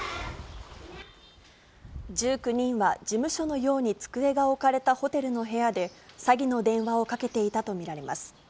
１９人は、事務所のように机が置かれたホテルの部屋で、詐欺の電話をかけていたと見られます。